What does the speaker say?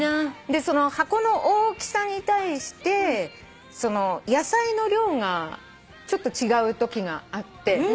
でその箱の大きさに対して野菜の量がちょっと違うときがあって。